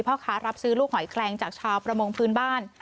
พ่อค้ารับซื้อลูกหอยแคลงจากชาวประมงพื้นบ้าน